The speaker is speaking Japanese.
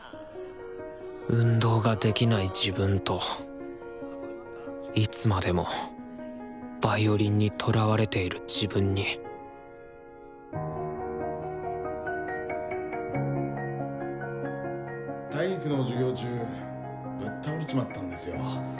運動ができない自分といつまでもヴァイオリンにとらわれている自分に体育の授業中ぶっ倒れちまったんですよ。